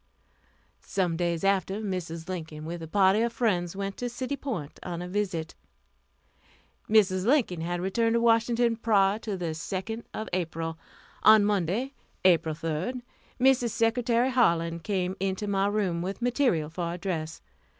Some days after, Mrs. Lincoln, with a party of friends, went to City Point on a visit. Mrs. Lincoln had returned to Washington prior to the 2d of April. On Monday, April 3d, Mrs. Secretary Harlan came into my room with material for a dress.